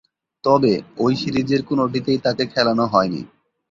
তবে, ঐ সিরিজের কোনটিতেই তাকে খেলানো হয়নি।